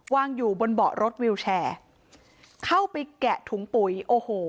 วางอยู่บนเบาะรถวิวแชร์เข้าไปแกะถุงปุ๋ยโอ้โห